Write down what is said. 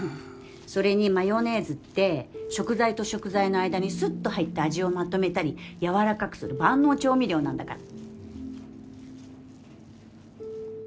それにマヨネーズって食材と食材の間にすっと入って味をまとめたりやわらかくする万能調味料なんだから